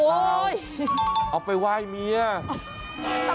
อุ้ยยยเอาไปไหว้เมียติดต่ำ